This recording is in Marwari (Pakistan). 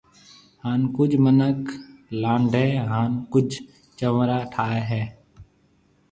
ھان ڪجھ مِنک لانڊَي ھان ڪجھ چنورا ٺائيَ ھيََََ